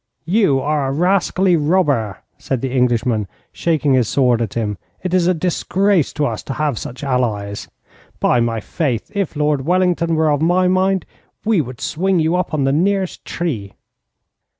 'You are a rascally robber,' said the Englishman, shaking his sword at him. 'It is a disgrace to us to have such allies. By my faith, if Lord Wellington were of my mind we would swing you up on the nearest tree.'